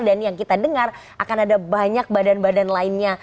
dan yang kita dengar akan ada banyak badan badan lainnya